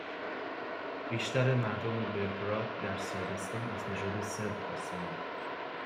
بیشتر مردم بلگراد در صربستان از نژاد صرب هستند